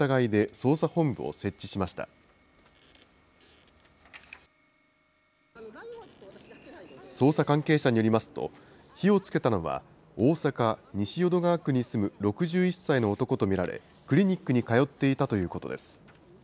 捜査関係者によりますと、火をつけたのは、大阪・西淀川区に住む６１歳の男と見られ、クリニックに通っていたということです。